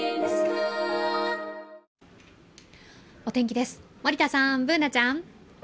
お天気です、森田さん、Ｂｏｏｎａちゃん。